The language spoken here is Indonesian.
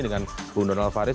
dengan bu donald faris